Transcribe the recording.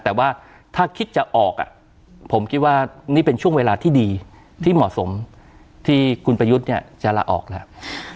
แต่ว่าถ้าคิดจะออกผมคิดว่านี่เป็นช่วงเวลาที่ดีที่เหมาะสมที่คุณประยุทธ์เนี่ยจะลาออกแล้ว